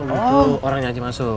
oh gitu orangnya aja masuk